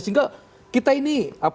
sehingga kita ini